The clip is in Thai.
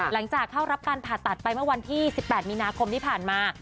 หลังจากเข้ารับการผ่าตัดไปเมื่อวันที่๑๘มีนาคมที่ผ่านมา